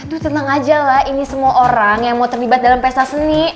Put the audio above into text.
aduh tenang aja lah ini semua orang yang mau terlibat dalam pesta seni